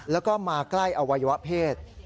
แล้วก็มาใกล้อวัยวะเพศ